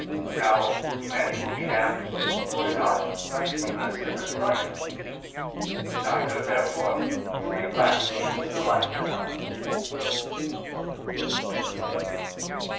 Now many will be damned who were not blasphemous in this life. Neither, therefore, will they blaspheme in the life to come.